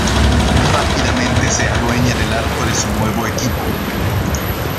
Rápidamente se adueña del arco de su nuevo equipo.